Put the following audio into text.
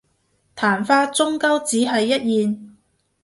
曇花終究只係一現